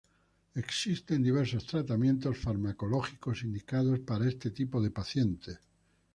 Existen diversos tratamientos farmacológicos indicados para este tipo de pacientes.